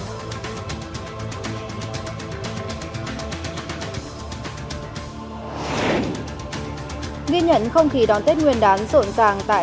ghi nhận không khí đón tết nguyên đán rộn ràng tại nhiều quốc gia trên thế giới